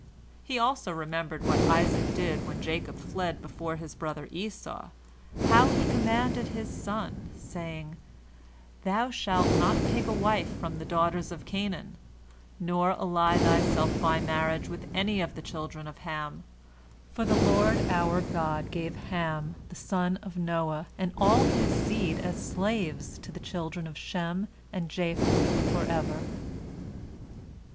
He also remembered what Isaac did when Jacob fled before his brother Esau, how he commanded his son, saying, "Thou shalt not take a wife from the daughters of Canaan, nor ally thyself by marriage with any of the children of Ham, for the Lord our God gave Ham the son of Noah and all his seed as slaves to the children of Shem and Japheth forever."